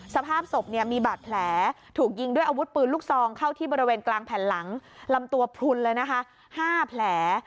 สภาพศพมีบาดแผลถูกยิงด้วยอาวุธปืนลูกซองเข้าที่บริเวณกลางแผ่นหลังลำตัวพลุนเลยนะคะ๕แผล